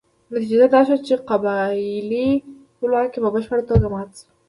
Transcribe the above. نتیجه دا شوه چې قبایلي خپلواکي په بشپړه توګه ماته شوه.